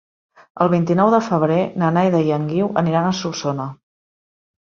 El vint-i-nou de febrer na Neida i en Guiu aniran a Solsona.